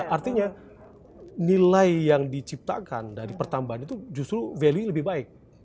artinya nilai yang diciptakan dari pertambahan itu justru value lebih baik